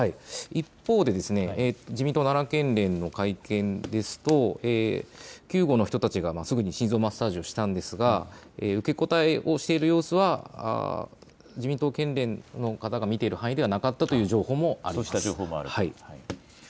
一方で自民党奈良県連の会見ですと救護の人たちがすぐに心臓マッサージをしたんですが受け答えをしている様子は自民党県連の方が見ている範囲ではなかったという情報もあります。